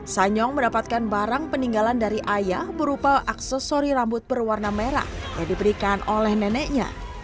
sanyong mendapatkan barang peninggalan dari ayah berupa aksesori rambut berwarna merah yang diberikan oleh neneknya